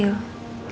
waduh enak banget ya